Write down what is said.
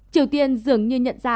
triều tiên dường như nhận ra